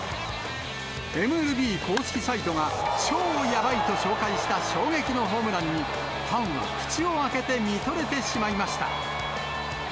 ＭＬＢ公式サイトが超ヤバイ！と紹介した、衝撃のホームランに、ファンは口を開けてみとれてしまいました。